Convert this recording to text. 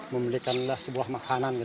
memiliki sebuah makanan